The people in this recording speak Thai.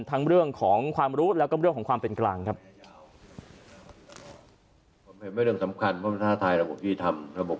เรื่องของความรู้แล้วก็เรื่องของความเป็นกลางครับ